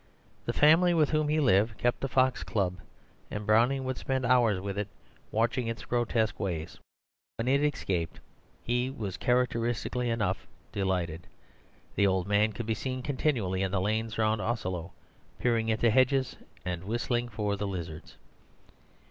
The family with whom he lived kept a fox cub, and Browning would spend hours with it watching its grotesque ways; when it escaped, he was characteristically enough delighted. The old man could be seen continually in the lanes round Asolo, peering into hedges and whistling for the lizards.